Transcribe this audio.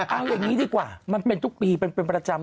เอาอย่างนี้ดีกว่ามันเป็นทุกปีเป็นประจำ